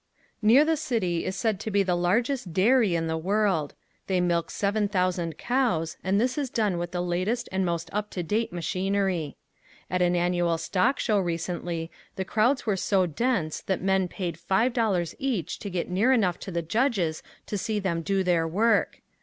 Near the city is said to be the largest dairy in the world. They milk seven thousand cows and this is done with the latest and most up to date machinery. At an annual stock show recently the crowds were so dense that men paid five dollars each to get near enough to the judges to see them do their work.